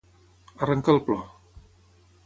Arrencar el plor.